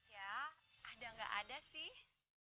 ya ada nggak ada sih